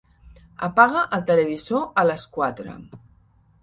Apaga el televisor a les quatre.